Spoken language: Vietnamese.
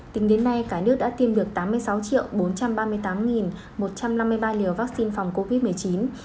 tính đến nay cả nước đã tiêm được tám mươi sáu bốn trăm ba mươi tám một trăm năm mươi ba liều vaccine phòng covid một mươi chín